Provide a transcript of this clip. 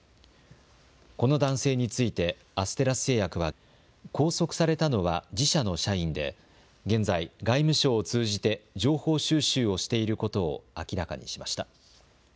この男性について、アステラス製薬は、拘束されたのは自社の社員で、現在、外務省を通じて、情報収集をしていることを明らかにしました。